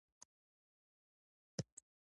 زړه ته یوه رڼا را ولېږه.